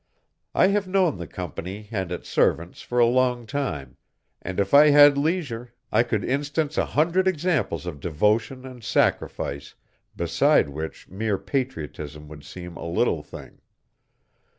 I have known the Company and its servants for a long time, and if I had leisure I could instance a hundred examples of devotion and sacrifice beside which mere patriotism would seem a little thing.